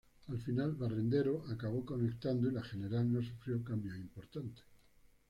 Al final, Berrendero acabó conectando y la general no sufrió cambios importantes.